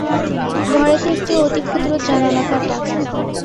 ঘরেতে একটি অতি ক্ষুদ্র জানালা কাটা।